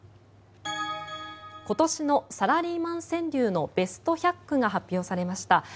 今年のサラリーマン川柳のベスト１００句が発表されました。